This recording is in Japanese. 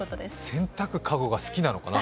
洗濯籠が好きなのかな。